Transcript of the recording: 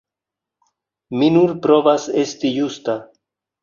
Mi nur provas esti justa!